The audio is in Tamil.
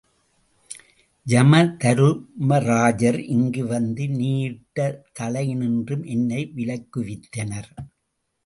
யமதருமராஜர் இங்கு வந்து நீ யிட்ட தளையினின்றும் என்னை விலக்குவித்தனர்.